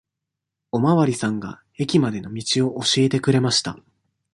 おまわりさんが駅までの道を教えてくれました。